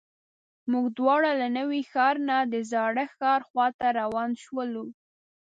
موږ دواړه له نوي ښار نه د زاړه ښار خواته روان شولو.